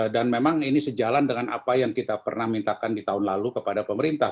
memang ini sejalan dengan apa yang kita pernah mintakan di tahun lalu kepada pemerintah